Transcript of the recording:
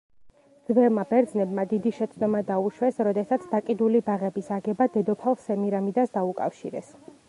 ძველმა ბერძნებმა დიდი შეცდომა დაუშვეს, როდესაც დაკიდული ბაღების აგება დედოფალ სემირამიდას დაუკავშირეს.